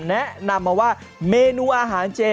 แนะนำมาว่าเมนูอาหารเจ